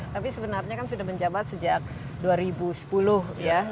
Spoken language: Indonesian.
tapi sebenarnya kan sudah menjabat sejak dua ribu sepuluh ya